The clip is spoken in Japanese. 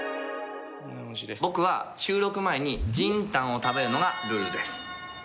僕は収録前に仁丹を食べるのがルールです。